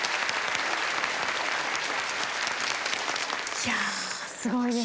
いやすごいですね。